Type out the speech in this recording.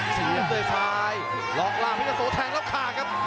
เสียบด้วยซ้ายล๊อคล่าพิกัสโสแทงรอบข้างครับ